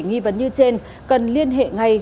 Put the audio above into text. ghi vấn như trên cần liên hệ ngay